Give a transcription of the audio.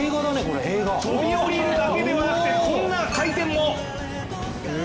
飛び下りるだけではなくてこんな回転も。